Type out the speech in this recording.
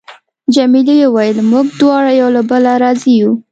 جميلې وويل: موږ دواړه یو له بله راضي یو.